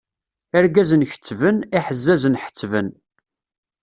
Irgazen kettben, iḥezzazen ḥettben.